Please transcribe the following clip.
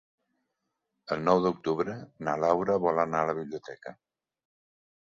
El nou d'octubre na Laura vol anar a la biblioteca.